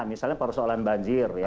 misalnya persoalan banjir